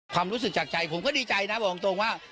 ความรู้สึกจากใจผมก็ดีใจนะบอกตรงว่า